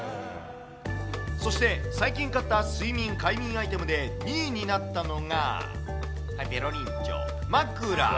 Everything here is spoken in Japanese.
そして、最近買った睡眠・快眠アイテムで２位になったのが、ぺろりんちょ、枕。